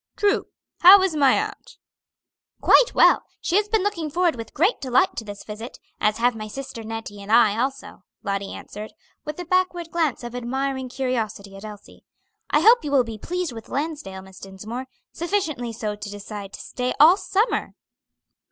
"True. How is my aunt?" "Quite well. She has been looking forward with great delight to this visit, as have my sister Nettie and I also," Lottie answered, with a backward glance of admiring curiosity at Elsie. "I hope you will be pleased with Lansdale, Miss Dinsmore; sufficiently so to decide to stay all summer."